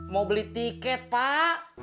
mau beli tiket pak